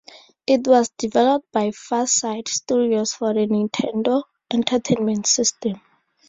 It was developed by FarSight Studios for the Nintendo Entertainment System.